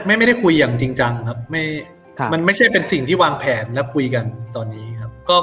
ไม่ได้คุยอย่างจริงจังครับมันไม่ใช่เป็นสิ่งที่วางแผนและคุยกันตอนนี้ครับ